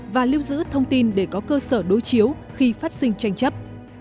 và lưu giữ thông tin để có cơ sở đối chiếu khi phát sinh tranh chấp